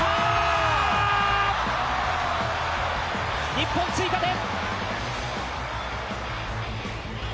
日本、追加点！